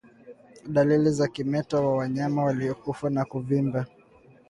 Dalili za kimeta wa wanyama waliokufa ni kuvimba